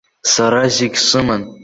Сара зегь сыман.